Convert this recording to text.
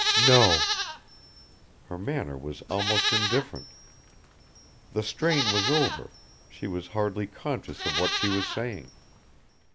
"No." Her manner was almost indifferent: the strain was over she was hardly conscious of what she was saying.